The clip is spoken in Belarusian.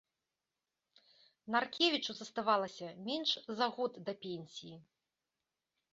Наркевічу заставалася менш за год да пенсіі.